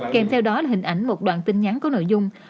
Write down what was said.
kèm theo đó là hình ảnh một đoạn tin nhắn có nội dung